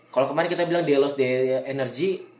kalau kemaren kita bilang dia lost the energy